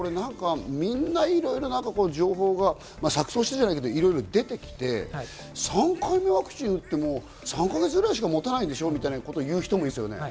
みんな、いろいろ情報が錯綜しているではないけれど、出てきて、３回目ワクチンを打っても３か月ぐらいしかもたないでしょって言う人もいますよね。